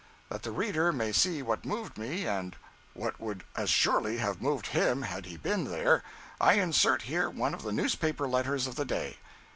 That the reader may see what moved me, and what would as surely have moved him had he been there, I insert here one of the newspaper letters of the day.